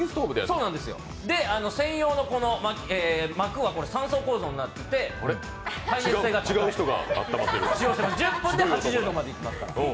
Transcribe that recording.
専用のまきは３層構造になっていて１０分で８０度までいきますから。